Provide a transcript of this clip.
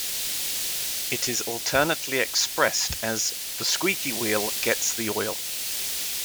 It is alternately expressed as "The squeaky wheel gets the oil".